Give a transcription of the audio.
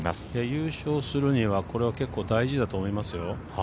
優勝するにはこれは結構大事だと思いますよ。